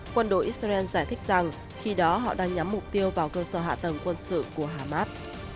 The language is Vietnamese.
quân đội israel giải thích rằng khi đó họ đang nhắm mục tiêu vào cơ sở hạ tầng quân sự của hamas